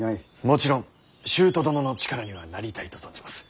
もちろん舅殿の力にはなりたいと存じます。